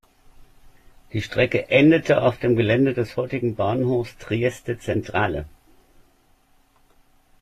Die Strecke endete auf dem Gelände des heutigen Bahnhofs Trieste Centrale.